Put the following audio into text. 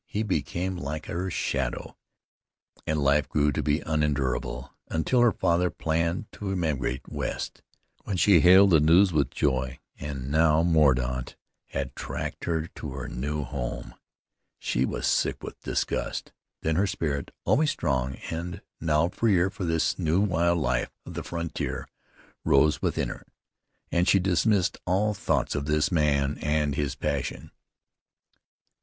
He became like her shadow, and life grew to be unendurable, until her father planned to emigrate west, when she hailed the news with joy. And now Mordaunt had tracked her to her new home. She was sick with disgust. Then her spirit, always strong, and now freer for this new, wild life of the frontier, rose within her, and she dismissed all thoughts of this man and his passion.